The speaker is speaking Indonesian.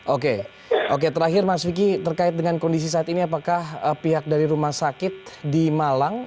oke oke terakhir mas vicky terkait dengan kondisi saat ini apakah pihak dari rumah sakit di malang